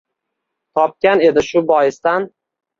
Topgan edi shu boisdan